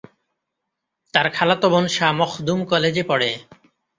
তার খালাতো বোন শাহ মখদুম কলেজে পড়ে।